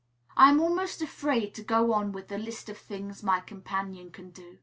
I am almost afraid to go on with the list of the things my companion can do.